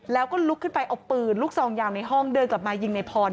แล้วก็ลุกขึ้นไปเอาปืนลูกซองยาวในห้องเดินกลับมายิงในพร